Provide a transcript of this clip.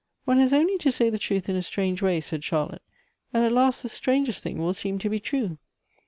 " One has only to say the truth in a strange way," said Charlotte, "and at last the strangest thing will seem to be true.